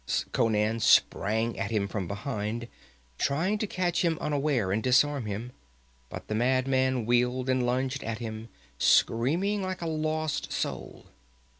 Conan sprang at him from behind, trying to catch him unaware and disarm him, but the madman wheeled and lunged at him, screaming like a lost soul.